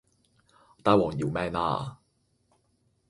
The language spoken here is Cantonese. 大王饒命呀